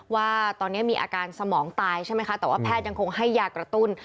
ว่าตอนนี้มีอาการสมองตายใช่ไหมคะแต่ว่าแพทย์ยังคงให้ยากระตุ้น